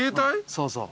そうそう。